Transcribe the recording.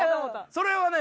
それはね